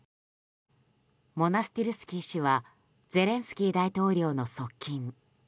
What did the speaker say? モナスティルスキー氏はゼレンスキー大統領の側近。